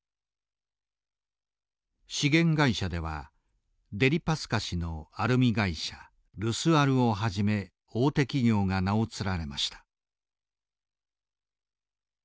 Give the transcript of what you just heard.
資源会社ではデリパスカ氏のアルミ会社ルスアルをはじめ大手企業が名を連ねました。